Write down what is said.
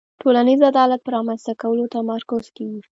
ټولنیز عدالت په رامنځته کولو تمرکز کیږي.